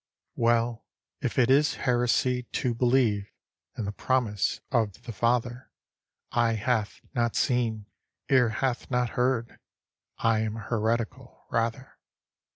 Well, if it is heresy to believe In the promise of the Father, "Eye hath not seen, ear hath not heard," I am heretical, rather.